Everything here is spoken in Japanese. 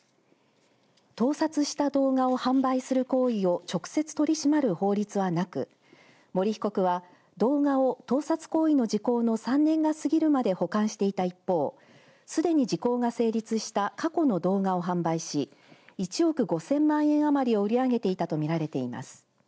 盗撮した動画を販売する行為を直接取り締まる法律はなく森被告は動画を盗撮行為の時効の３年が過ぎるまで保管していた一方すでに時効が成立した過去の動画を販売し１億５０００万円余りを売り上げていたとみられています。